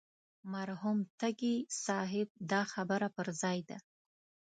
مرحوم تږي صاحب دا خبره پر ځای ده.